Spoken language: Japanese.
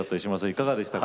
いかがでしたか？